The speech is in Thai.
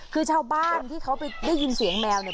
คือชาวบ้านที่เขาไปได้ยินเสียงแมวเนี่ย